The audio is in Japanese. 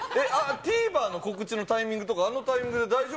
ＴＶｅｒの告知のタイミングとか、あのタイミングで大丈夫